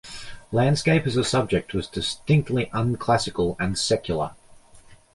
Landscape as a subject was distinctly unclassical and secular.